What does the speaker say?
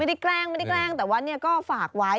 ไม่ได้แกล้งแต่ว่าเนี่ยก็ฝากไว้